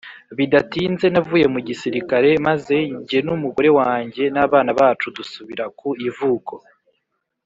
Bidatinze navuye mu gisirikare maze jye n umugore wanjye n abana bacu dusubira ku ivuko